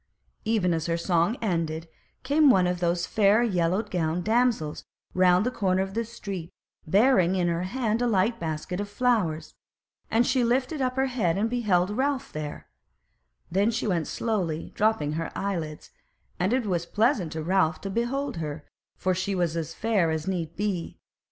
Even as her song ended came one of those fair yellow gowned damsels round the corner of the street, bearing in her hand a light basket full of flowers: and she lifted up her head and beheld Ralph there; then she went slowly and dropped her eyelids, and it was pleasant to Ralph to behold her; for she was as fair as need be.